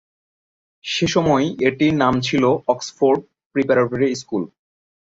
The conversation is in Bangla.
সেসময় এটির নাম ছিল অক্সফোর্ড প্রিপারেটরি স্কুল।